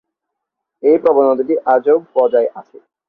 এই প্রবণতা আজও বজায় আছে।